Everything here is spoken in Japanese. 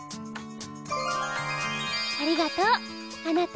ありがとうあなた。